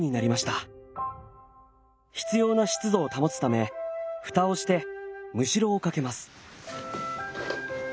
必要な湿度を保つためふたをしてむしろをかけます。